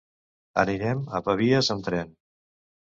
Anirem a Pavies amb tren.